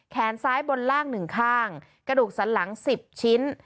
แขนซ้ายบนล่าง๑ข้างกระดูกสันหลัง๑๐ชิ้น